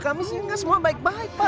kami sih enggak semua baik baik pak